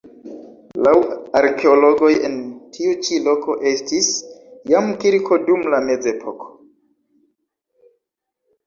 Laŭ arkeologoj en tiu ĉi loko estis jam kirko dum la mezepoko.